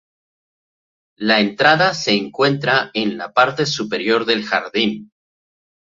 La entrada se encuentra en la parte superior del jardín.